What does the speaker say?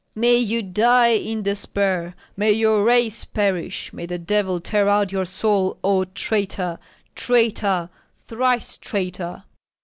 May you die in despair, may your race perish, may the devil tear out your soul, O traitor, traitor, thrice traitor!"